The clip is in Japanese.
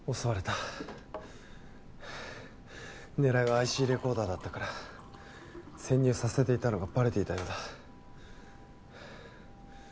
はあ狙いはＩＣレコーダーだったから潜入させていたのがバレていたようだ。